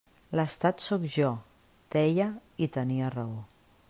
L'Estat sóc jo, deia; i tenia raó.